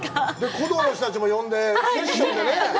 鼓童の人たちも呼んで、セッションでね！